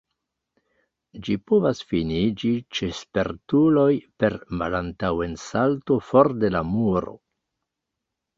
Ĝi povas finiĝi ĉe spertuloj per malantaŭen-salto for de la muro.